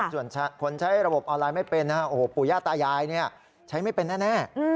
ส่วนคนใช้ระบบออนไลน์ไม่เป็นโอ้โหปู่ย่าตายายใช้ไม่เป็นแน่